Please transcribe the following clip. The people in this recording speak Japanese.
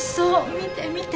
見て見て。